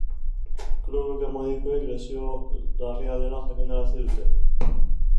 Klubeko medikuek lesioa larria dela jakinarazi dute.